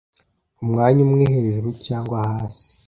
umwanya umwe hejuru cyangwa hasi